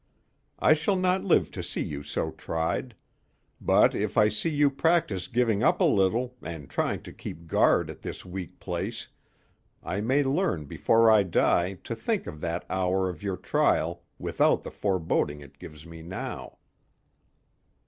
I shall not live to see you so tried; but if I see you practise giving up a little and trying to keep guard at this weak place, I may learn before I die to think of that hour of your trial without the foreboding it gives me now."